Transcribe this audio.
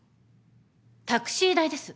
タクシー代です。